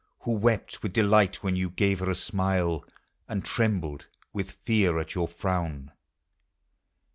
Who wept with delight when you gave her smile, And trembled with fear at your frown?